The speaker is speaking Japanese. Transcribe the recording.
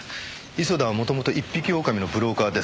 磯田は元々一匹狼のブローカーです。